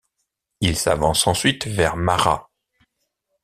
Il s'avance ensuite vers Marra.